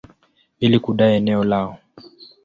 ili kudai eneo lao.